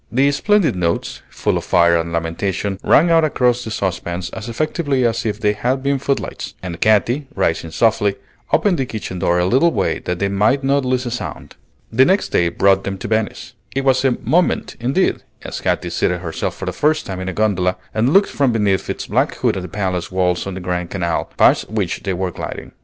The splendid notes, full of fire and lamentation, rang out across the saucepans as effectively as if they had been footlights; and Katy, rising softly, opened the kitchen door a little way that they might not lose a sound. The next day brought them to Venice. It was a "moment," indeed, as Katy seated herself for the first time in a gondola, and looked from beneath its black hood at the palace walls on the Grand Canal, past which they were gliding.